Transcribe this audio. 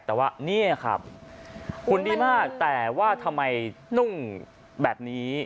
แต่ว่าเนี่ยครับหุ่นดีมากแต่ว่าทำไมนุ่งแบบนี้